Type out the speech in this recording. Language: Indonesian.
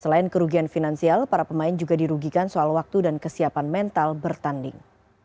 selain kerugian finansial para pemain juga dirugikan soal waktu dan kesiapan mental bertanding